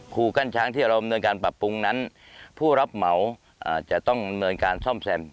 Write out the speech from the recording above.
กั้นช้างที่เราดำเนินการปรับปรุงนั้นผู้รับเหมาจะต้องดำเนินการซ่อมแซม